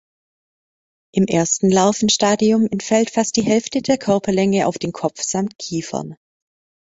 Im ersten Larvenstadium entfällt fast die Hälfte der Körperlänge auf den Kopf samt Kiefern.